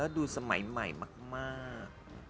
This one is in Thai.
ดูสมัยใหม่มาก